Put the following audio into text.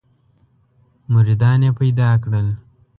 مریدان یې پیدا کړل.